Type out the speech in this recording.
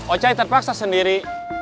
ocai terpaksa sendiri